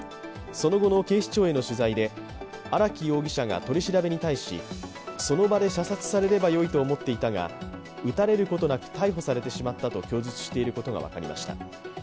その後の警視庁への取材で荒木容疑者が取り調べに対し取り調べに対し、その場で射殺されればよいと思っていたが撃たれることなく逮捕されてしまったと供述していることが分かりました。